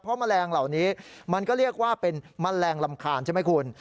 เพราะแมลงเหล่านี้มันก็เรียกว่าเป็นแมลงรำคาญใช่ไหมคุณ